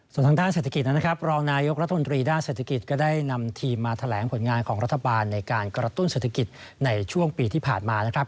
ส่วนทางด้านเศรษฐกิจนะครับรองนายกรัฐมนตรีด้านเศรษฐกิจก็ได้นำทีมมาแถลงผลงานของรัฐบาลในการกระตุ้นเศรษฐกิจในช่วงปีที่ผ่านมานะครับ